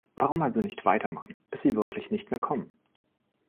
Warum also nicht weitermachen, bis sie wirklich nicht mehr kommen?